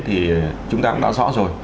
thì chúng ta cũng đã rõ rồi